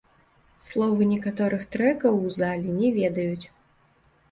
Словы некаторых трэкаў у зале не ведаюць.